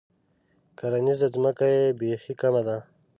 کرنیزه ځمکه یې بیخي کمه ده.